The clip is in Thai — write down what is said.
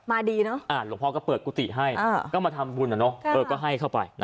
ดีเนอะหลวงพ่อก็เปิดกุฏิให้ก็มาทำบุญก็ให้เข้าไป